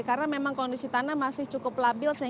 karena memang kondisi tanah masih cukup labil